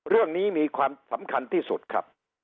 เรื่องนี้มีความสำคัญที่สุดครับ